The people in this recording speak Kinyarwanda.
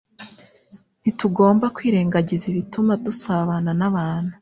Ntitugomba kwirengagiza ibituma dusabana n’abantu